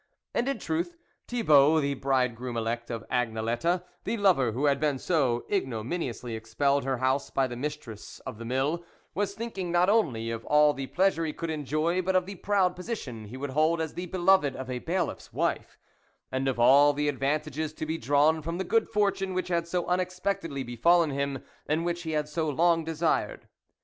And in truth, Thibault, the bridegroom elect of Agnelette, the lover who had been so ignominiously expelled her house by the mistress of the mill, was thinking not only of all the pleasure he could enjoy, but of the proud position he would hold as the beloved of a bailiffs wife, and of all the advantages to be drawn from the good fortune which had so unexpectedly befallen him, and which he had so long desired.